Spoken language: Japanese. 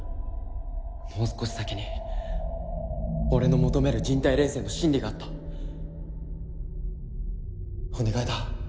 もう少し先に俺の求める人体錬成の真理があったお願いだ